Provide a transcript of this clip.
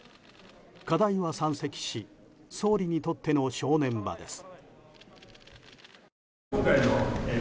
課題は山積し総理にとっての正念場です。